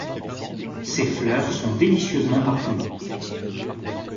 Ses fleurs sont délicieusement parfumées.